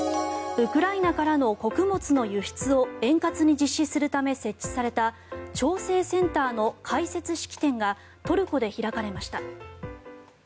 ウクライナからの穀物の輸出を円滑に実施するため設置された調整センターの開設式典がトルコで開かれました。